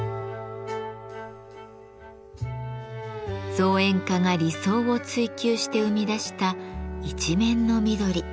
造園家が理想を追求して生み出した一面の緑。